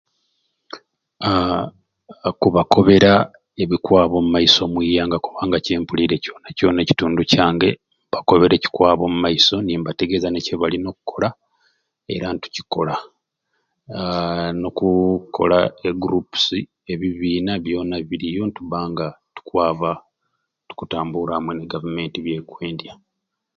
Aaahh okubakobeera ebikwaba omumaiso omuiyanga kubanga kyempulire kyona kyona ekitundu kyange mbakobera ekikwaba omumaiso nimbategeza nekibalina okukola era nitucikola aahh nokukola e gurupusi ebibina byona biriyo nitubanga tukwaba tukutambura amwei ne gavumenti byekwendya.